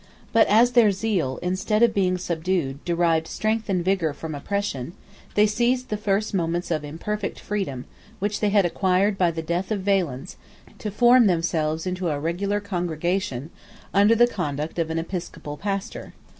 26 But, as their zeal, instead of being subdued, derived strength and vigor from oppression, they seized the first moments of imperfect freedom, which they had acquired by the death of Valens, to form themselves into a regular congregation, under the conduct of an episcopal pastor.